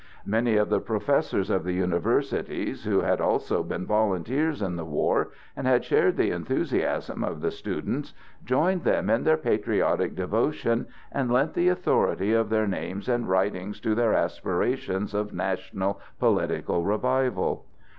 Many of the professors of the universities, who had also been volunteers in the war and had shared the enthusiasm of the students, joined them in their patriotic devotion and lent the authority of their names and writings to their aspirations of national political revival.